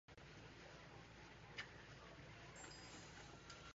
It is distributed throughout the Palearctic.